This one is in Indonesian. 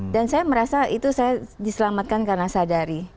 dan saya merasa itu saya diselamatkan karena sadari